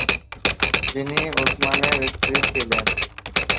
যিনি উসমানের স্ত্রী ছিলেন।